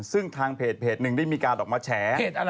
ซึ่งทางเพจอีกพิษนึงได้มีการออกมาแสง